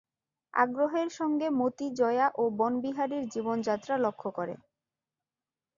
আগ্রহের সঙ্গে মতি জয়া ও বনবিহারীর জীবনযাত্রা লক্ষ করে।